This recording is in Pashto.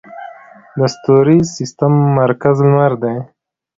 د ستوریز سیستم مرکز لمر دی